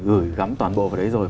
gửi gắm toàn bộ vào đấy rồi